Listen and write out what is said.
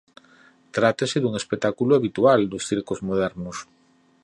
Trátase dun espectáculo habitual nos circos modernos.